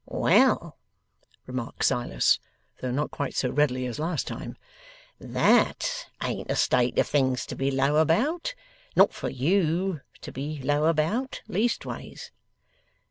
'Well,' remarks Silas (though not quite so readily as last time), 'THAT ain't a state of things to be low about. Not for YOU to be low about, leastways.